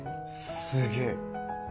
すげえ。